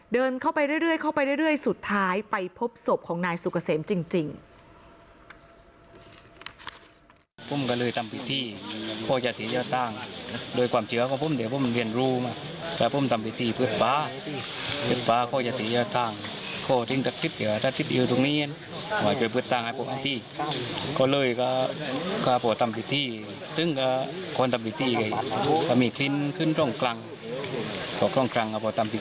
เดินเข้าไปเรื่อยสุดท้ายไปพบศพของนายสุกเกษมจริง